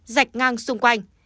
sạch ngang xung quanh